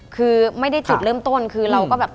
คือไม่ได้จุดเริ่มต้นคือเราก็แบบ